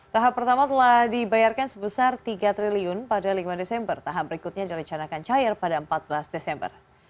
tahap pertama telah dibayarkan sebesar tiga triliun pada lima desember tahap berikutnya direncanakan cair pada empat belas desember